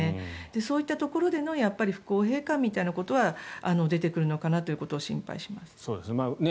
そういったところでの不公平感みたいなことは出てくるのかなということを心配します。